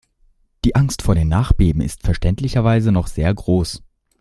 Die Angst vor Nachbeben ist verständlicherweise noch sehr groß.